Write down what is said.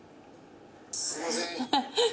「すいません」。